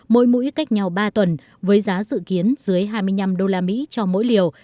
mỗi mũi cách nhau ba tuần với giá dự kiến dưới hai mươi năm đô la mỹ cho mỗi liều